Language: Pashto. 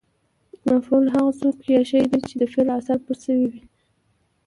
مفعول هغه څوک یا شی دئ، چي د فعل اثر پر سوی يي.